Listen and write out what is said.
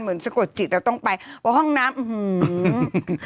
เหมือนสะกดจิตเราต้องไปเพราะห้องน้ำอื้อหือ